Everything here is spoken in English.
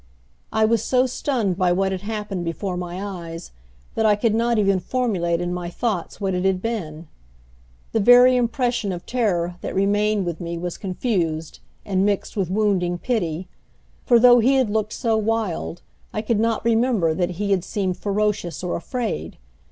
I was so stunned by what had happened before my eyes that I could not even formulate in my thoughts what it had been. The very impression of terror that remained with me was confused, and mixed with wounding pity. For though he had looked so wild I could not remember that he had seemed ferocious or afraid.